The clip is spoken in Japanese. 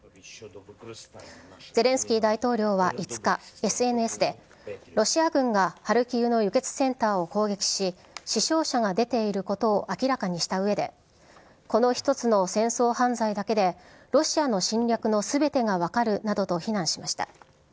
ゼレンスキー大統領は５日、ＳＮＳで、ロシア軍がハルキウの輸血センターを攻撃し、死傷者が出ていることを明らかにしたうえで、この一つの戦争犯罪だけで、ロシアの侵略のすべてが分かるなどと非難しました。